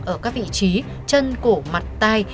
ở các vị trí chân cổ mặt tai